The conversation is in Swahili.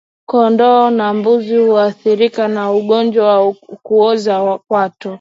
Kondoo na mbuzi huathirika na ugonjwa wa kuoza kwato